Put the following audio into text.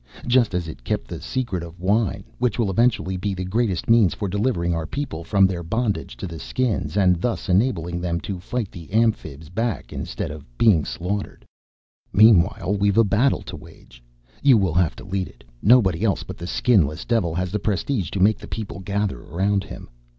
Just as it kept the secret of wine, which will eventually be the greatest means for delivering our people from their bondage to the Skins and, thus enable them to fight the Amphibs back instead of being slaughtered. "Meanwhile, we've a battle to wage. You will have to lead it. Nobody else but the Skinless Devil has the prestige to make the people gather around him.